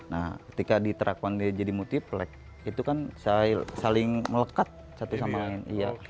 nah ketika diterapkan jadi multi flag itu kan saling melekat satu sama lain